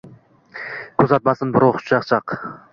Kuzatmasin birov xushchaqchaq.